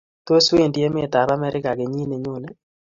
Tos, Wendi emetab America kenyiit nenyone?